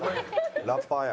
ラッパーや。